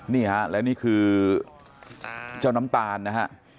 นี่ฮะแล้วนี่คือเจ้าน้ำตาลนะฮะ